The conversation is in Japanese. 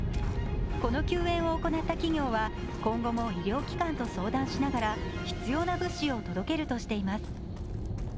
この救援を行った企業は今後も医療機関と相談しながら必要な物資を届けるとしています。